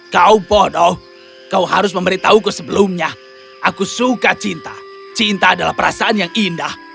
kau bodoh kau harus memberitahuku sebelumnya aku suka cinta cinta adalah perasaan yang indah